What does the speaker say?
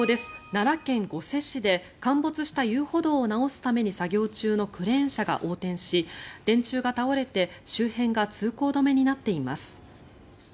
奈良県御所市で陥没した遊歩道を直すために作業中のクレーン車が横転し電柱が倒れて周辺が通行止めになっています。